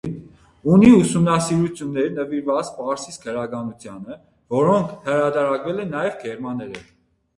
Ունի ուսումնասիրություններ՝ նվիրված պարսից գրականությանը, որոնք հրատարակվել են նաև գերմաներեն։